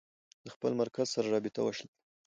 د خپل مرکز سره رابطه وشلېده.